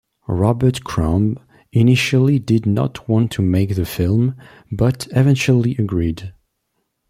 Robert Crumb initially did not want to make the film, but eventually agreed.